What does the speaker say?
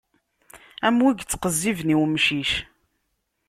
Am wi ittqezziben i umcic.